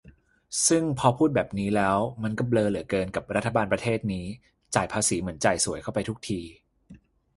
ซึ่งพอพูดแบบนี้แล้ว มันก็เบลอเหลือเกินกับรัฐบาลประเทศนี้ จ่ายภาษีเหมือนจ่ายส่วยเข้าไปทุกที